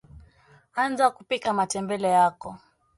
anza kupika matembele yako